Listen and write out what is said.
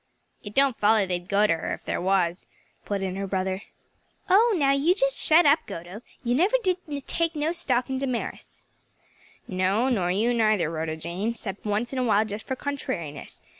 "It don't foller they'd go to her if there was," put in her brother. "Oh now you just shut up, Goto! you never did take no stock in Damaris." "No, nor you neither, Rhoda Jane; 'cept once in a while just fur contrariness.